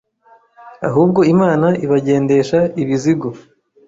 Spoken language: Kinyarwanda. Ahubwo Imana ibagendesha ibizigu